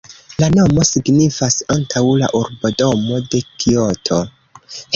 La nomo signifas "antaŭ la urbodomo de Kioto".